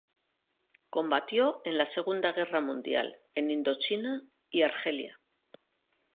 Combatió en la Segunda Guerra Mundial, en Indochina y Argelia.